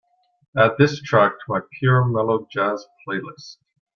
add this track to my Pure Mellow Jazz playlist